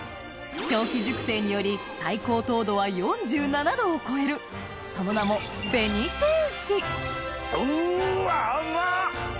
長期熟成により最高糖度は４７度を超えるその名もうわ甘っ！